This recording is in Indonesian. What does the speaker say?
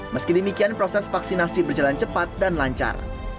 meski demikian proses vaksinasi berjalan cepat dan lancar